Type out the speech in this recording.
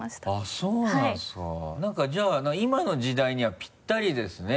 何かじゃあ今の時代にはぴったりですね。